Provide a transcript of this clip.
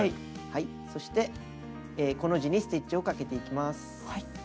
そしてコの字にステッチをかけていきます。